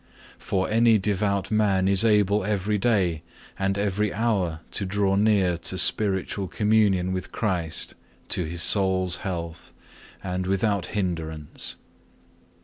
For any devout man is able every day and every hour to draw near to spiritual communion with Christ to his soul's health and without hindrance.